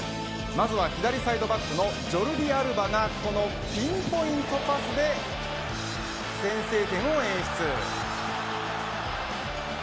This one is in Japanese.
まずは、左サイドバックのジョルディ・アルバがこのピンポイントパスで先制点を演出。